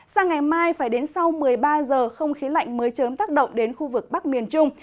sang ngày mai phải đến sau một mươi ba giờ không khí lạnh mới chớm tác động đến khu vực bắc miền trung